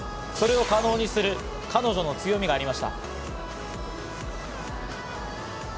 それを可能にする彼女の強みがありました。